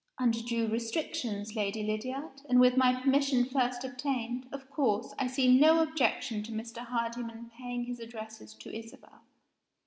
"Under due restrictions, Lady Lydiard, and with my permission first obtained, of course, I see no objection to Mr. Hardyman paying his addresses to Isabel."